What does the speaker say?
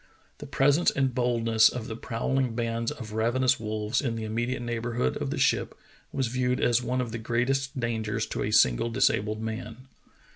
The pres ence and boldness of the prowling bands of ravenous wolves in the immediate neighborhood of the ship was viewed as one of the greatest dangers to a single dis abled man.